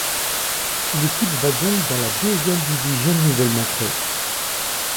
L’équipe va donc dans la deuxième division nouvellement créée.